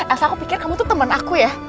asal aku pikir kamu tuh temen aku ya